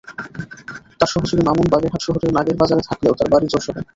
তাঁর সহযোগী মামুন বাগেরহাট শহরের নাগের বাজারে থাকলেও তাঁর বাড়ি যশোরে।